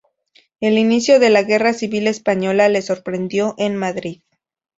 El inicio de la Guerra Civil Española le sorprendió en Madrid.